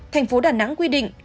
tp đà nẵng quy định